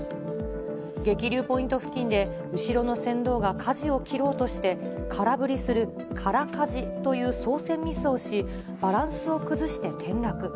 激流ポイント付近で後ろの船頭がかじを切ろうとして、空振りする、空かじという操船ミスをし、バランスを崩して転落。